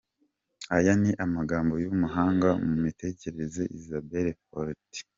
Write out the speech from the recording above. Aya ni amagambo y’umuhanga mu mitekerereze Isabelle Fortin.